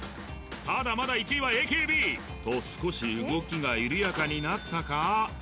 まだまだ１位はＡＫＢと少し動きが緩やかになったか？